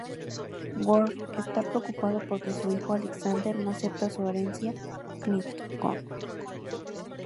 Worf está preocupado porque su hijo Alexander no acepta su herencia Klingon.